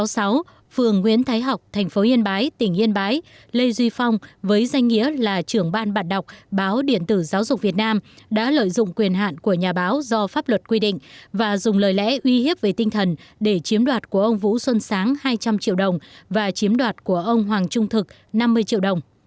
phường nguyễn thái học tp yên bái tỉnh yên bái lê duy phong với danh nghĩa là trưởng ban bạn đọc báo điện tử giáo dục việt nam đã lợi dụng quyền hạn của nhà báo do pháp luật quy định và dùng lời lẽ uy hiếp về tinh thần để chiếm đoạt của ông vũ xuân sáng hai trăm linh triệu đồng và chiếm đoạt của ông hoàng trung thực năm mươi triệu đồng